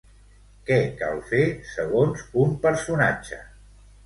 Què cal fer, segons un personatge?